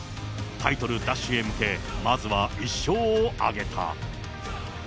タイトル奪取へ向け、まずは１勝を挙げた。